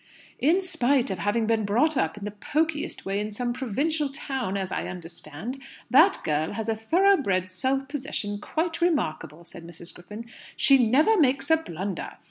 "In spite of having been brought up in the pokiest way in some provincial town, as I understand, that girl has a thoroughbred self possession quite remarkable," said Mrs. Griffin. "She never makes a blunder.